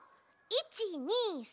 １２３。